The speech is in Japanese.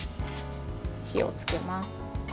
火をつけます。